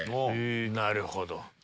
なるほど。